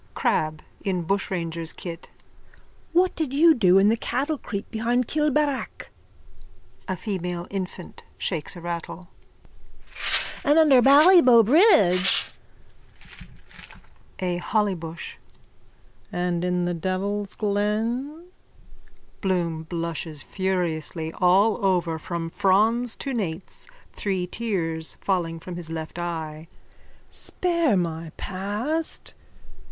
CRAB: (In bushranger's kit.) What did you do in the cattlecreep behind Kilbarrack? A FEMALE INFANT: (Shakes a rattle.) And under Ballybough bridge? A HOLLYBUSH: And in the devil's glen? BLOOM: (Blushes furiously all over from frons to nates, three tears falling from his left eye.) Spare my past.